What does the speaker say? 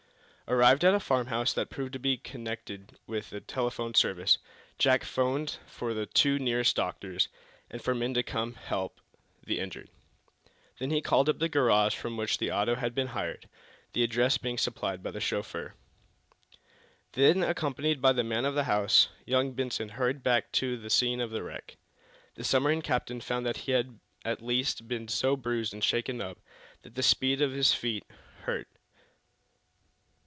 Arrived at a farm house that proved to be connected with the telephone service, Jack 'phoned for the two nearest doctors, and for men to come and help the injured. Then he called up the garage from which the auto had been hired; this address being supplied by the chauffeur. Then, accompanied by the man of the house, young Benson hurried back to the scene of the wreck. The submarine captain found that he had at least been so bruised and shaken up that speed on his feet hurt.